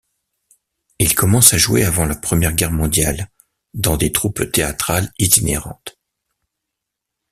Il commence à jouer avant la Première Guerre mondiale dans des troupes théâtrales itinérantes.